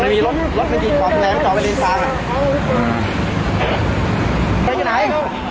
อาหารบินติดต่อขึ้นหรืออะไร